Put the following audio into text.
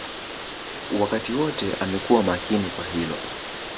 Wakati wote amekuwa makini kwa hilo